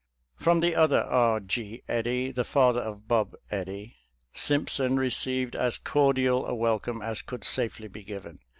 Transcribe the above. From the other K. G. Eddy, the father of Bob Eddy, Simpson received as cordial a welcome as could safely be given.